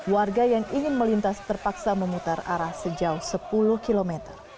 warga yang ingin melintas terpaksa memutar arah sejauh sepuluh km